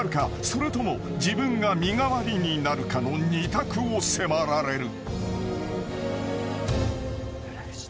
それとも自分が身代わりになるかの２択を迫られる］